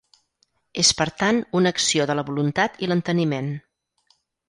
És per tant una acció de la voluntat i l'enteniment.